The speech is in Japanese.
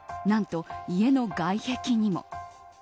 何と家の外壁にも。